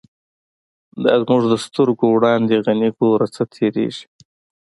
دا زمونږ د سترگو وړاندی «غنی» گوره څه تیریږی